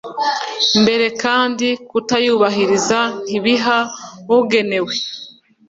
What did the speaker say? Mbere kandi kutayubahiriza ntibiha ugenewe